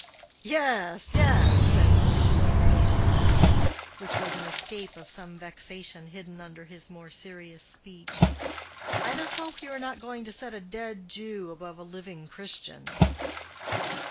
"Yes, yes," said Sir Hugo, with a flippancy which was an escape of some vexation hidden under his more serious speech; "I hope you are not going to set a dead Jew above a living Christian."